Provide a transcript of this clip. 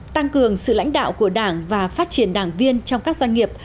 tăng cường sự lãnh đạo của đảng và phát triển đảng viên trong các doanh nghiệp